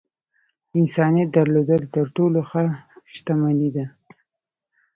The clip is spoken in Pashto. انسانيت درلودل تر ټولو ښۀ شتمني ده .